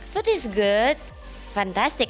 makanannya enak fantastik